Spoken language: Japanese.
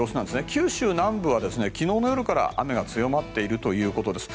九州南部は昨日の夜から雨が強まっているということです。